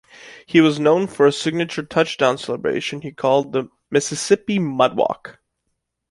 He was known for a signature touchdown celebration he called the 'Mississippi Mud Walk'.